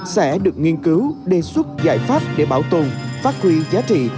sẽ được nghiên cứu đề xuất giải pháp để bảo tồn phát huy giá trị